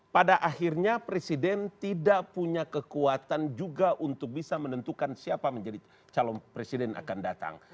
pada akhirnya presiden tidak punya kekuatan juga untuk bisa menentukan siapa menjadi calon presiden akan datang